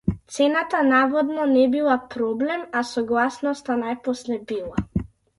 Цената наводно не била проблем, а согласноста најпосле била.